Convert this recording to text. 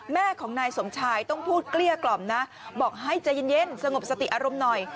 แม่ของนายสมชายต้องพูดเกลี้ยกล่อมนะบอกให้ใจเย็นสงบสติอารมณ์หน่อย